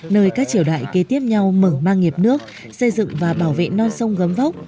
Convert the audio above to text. nơi các triều đại kế tiếp nhau mở mang nghiệp nước xây dựng và bảo vệ non sông gấm vóc